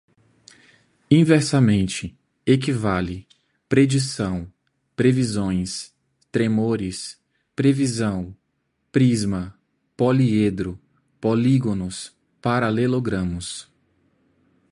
inversamente, equivale, predição, previsões, tremores, previsão, prisma, poliedro, políginos, paralelogramos